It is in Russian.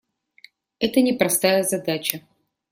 Это непростая задача.